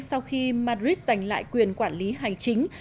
sau khi madrid giành lại quyền quản lý hành chính